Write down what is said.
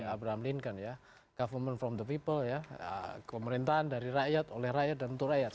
abrahamlinken ya government from the people ya pemerintahan dari rakyat oleh rakyat dan untuk rakyat